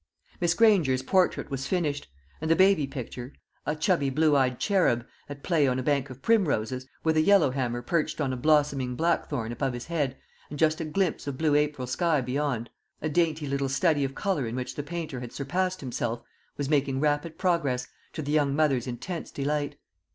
Miss Granger's portrait was finished; and the baby picture a chubby blue eyed cherub, at play on a bank of primroses, with a yellowhammer perched on a blossoming blackthorn above his head, and just a glimpse of blue April sky beyond; a dainty little study of colour in which the painter had surpassed himself was making rapid progress, to the young mother's intense delight.